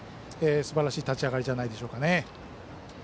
すばらしい立ち上がりじゃないでしょうかね。